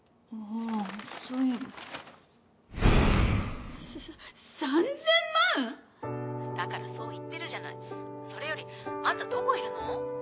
あぁそういえばさ３０００万⁉だからそう言ってるじゃないそれよりあんたどこいるの？